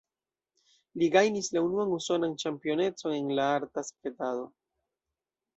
Li gajnis la unuan usonan ĉampionecon en la arta sketado.